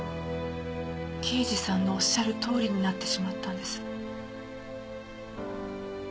刑事さんのおっしゃるとおりになってしまったんです。